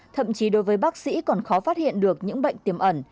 thậm chí đối với bác sĩ còn khó phát hiện được những bệnh tiềm ẩn